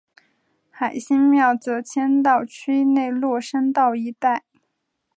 海心庙则迁到区内落山道一带。